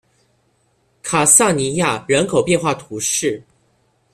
卡萨尼亚人口变化图示